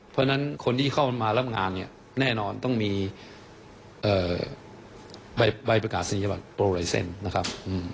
เพราะฉะนั้นคนที่เข้ามารับงานเนี่ยแน่นอนต้องมีใบประกาศนียบัตรโปรไลเซ็นต์นะครับ